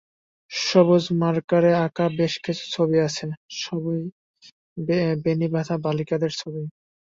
সবুজ মার্কারে আঁকা বেশকিছু ছবি আছে, সবই বেণি বাঁধা বালিকাদের ছবি।